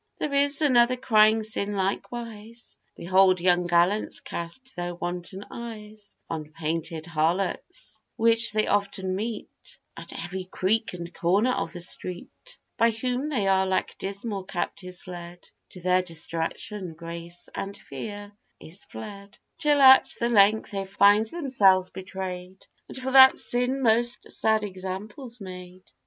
There is another crying sin likewise: Behold young gallants cast their wanton eyes On painted harlots, which they often meet At every creek and corner of the street, By whom they are like dismal captives led To their destruction; grace and fear is fled, Till at the length they find themselves betrayed, And for that sin most sad examples made.